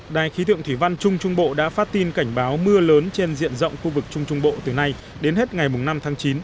đài khí tượng thủy văn trung trung bộ đã phát tin cảnh báo mưa lớn trên diện rộng khu vực trung trung bộ từ nay đến hết ngày năm tháng chín